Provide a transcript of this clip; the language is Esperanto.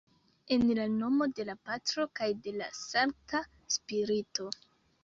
En la nomo de la Patro kaj de la Sankta Spirito.